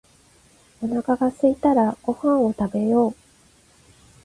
おなかがすいたらご飯を食べよう